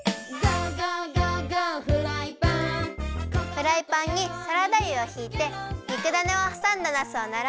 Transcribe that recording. フライパンにサラダ油をひいてにくだねをはさんだなすをならべます。